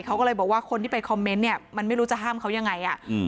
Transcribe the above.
เขาก็เลยบอกว่าคนที่ไปคอมเมนต์เนี่ยมันไม่รู้จะห้ามเขายังไง